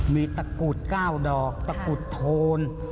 มีตะกรุดก้าวดอกตะกรุดโทน